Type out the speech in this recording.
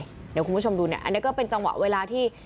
เดี๋ยวคุณผู้ชมดูเนี่ยอันนี้ก็เป็นจังหวะเวลาที่